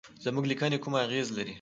زموږ لیکني کومه اغیزه لري.